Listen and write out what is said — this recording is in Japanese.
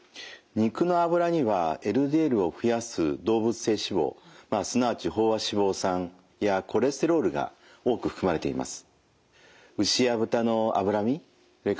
肉の脂にはＬＤＬを増やす動物性脂肪すなわち飽和脂肪酸やコレステロールが多く含まれています。